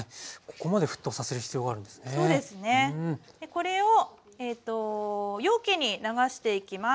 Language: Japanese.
これを容器に流していきます。